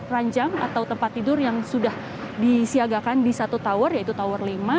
ranjang atau tempat tidur yang sudah disiagakan di satu tower yaitu tower lima